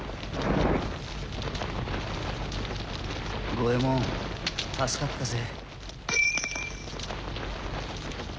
五右ェ門助かったぜ